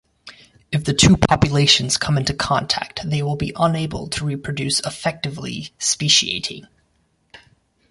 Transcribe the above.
If the two populations come into contact they will be unable to reproduce-effectively speciating.